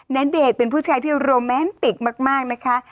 ณเดชน์เป็นผู้ชายที่โรแมนติกมากนะคะ